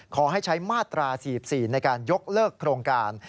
ขอให้ใช้มาตรา๔๔ในการยกเลิกโครงการ